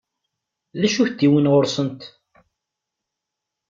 D acu i tent-iwwin ɣur-sent?